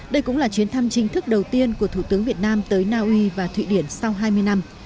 đây cũng là chuyến thăm chính thức đầu tiên của thủ tướng việt nam tới naui và thụy điển sau hai mươi năm